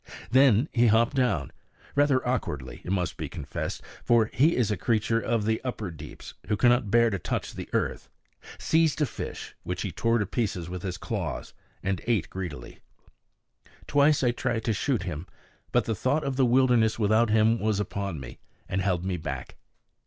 Then he hopped down rather awkwardly, it must be confessed; for he is a creature of the upper deeps, who cannot bear to touch the earth seized a fish, which he tore to pieces with his claws and ate greedily. Twice I tried to shoot him; but the thought of the wilderness without him was upon me, and held me back.